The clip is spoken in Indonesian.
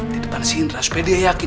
di depan si indra supaya dia yakin